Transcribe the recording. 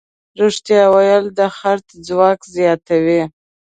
رښتیا ویل د خرڅ ځواک زیاتوي.